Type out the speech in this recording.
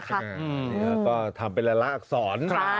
แล้วก็ทำเป็นละละอักษร